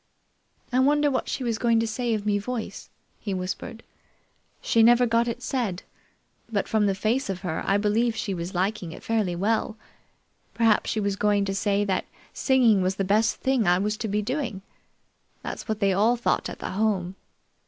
"I wonder what she was going to say of me voice," he whispered. "She never got it said, but from the face of her, I believe she was liking it fairly well. Perhaps she was going to say that singing was the big thing I was to be doing. That's what they all thought at the Home.